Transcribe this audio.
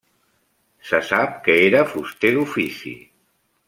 Se sap que era fuster d'ofici.